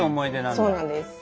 そうなんです。